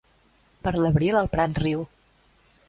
Per l'abril el prat riu.